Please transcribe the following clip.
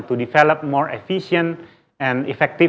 sosial aid yang lebih efisien dan efektif